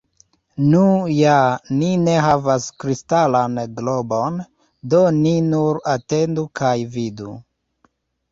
Nu ja, ni ne havas kristalan globon, do ni nur atendu kaj vidu.